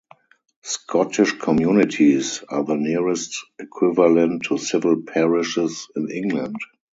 Scottish communities are the nearest equivalent to civil parishes in England.